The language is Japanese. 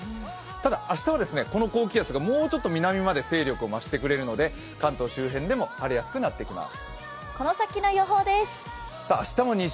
ただ明日はこの高気圧がもうちょっと南まで勢力を増してくれるので関東周辺でも晴れやすくなってきます。